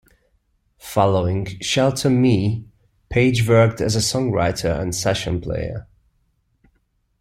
Following "Shelter me", Page worked as a songwriter and session player.